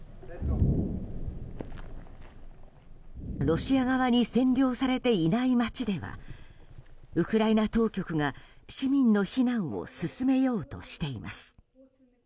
ロシア側に占領されていない街ではウクライナ当局が、市民の避難を進めようとしています。